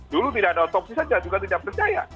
dulu tidak ada otopsi saja juga tidak percaya